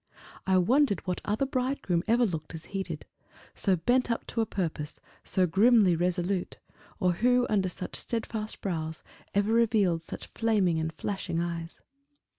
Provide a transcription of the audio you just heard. I wondered what other bridegroom ever looked as he did so bent up to a purpose, so grimly resolute; or who, under such steadfast brows, ever revealed such flaming and flashing eyes.